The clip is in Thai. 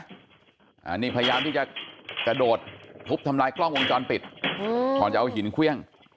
อันนี้พยายามที่จะกระโดดทุบทำลายกล้องวงจรปิดก่อนจะเอาหินเครื่อง